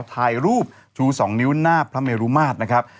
ถ่ายรูปชู๒นิ้วหน้าพระเมรุมาตรนะครับ